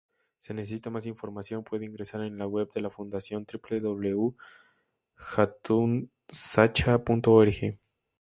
Si necesita más información puede ingresar en la web de la fundación: www.jatunsacha.org